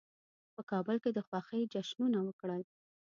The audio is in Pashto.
په کابل کې د خوښۍ جشنونه وکړل.